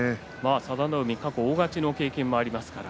佐田の海は過去、大勝ちの経験もあります。